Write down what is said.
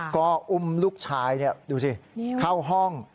ก็อุ้มลูกชายดูสิเข้าห้อง